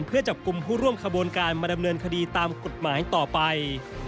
เพื่อจับกลุ่มผู้ร่วมขบวนการมาดำเนินคดีตามกฎหมายต่อไป